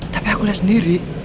tapi aku lihat sendiri